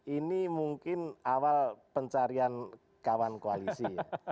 ini mungkin awal pencarian kawan koalisi